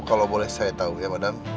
kalau boleh saya tahu ya madam